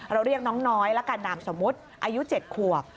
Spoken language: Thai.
เรียกน้องน้อยละกันนามสมมุติอายุ๗ขวบ